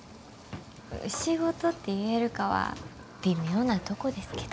仕事って言えるかは微妙なとこですけど。